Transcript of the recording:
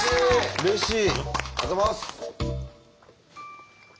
うれしい。